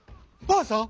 ばあさん！